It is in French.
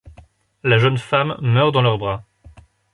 La jeune femme meurt dans leurs bras.